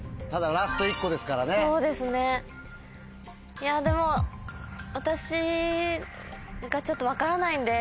いやでも私がちょっと分からないんで。